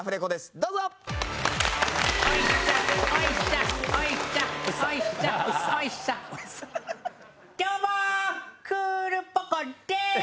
どうもクールポコ。です！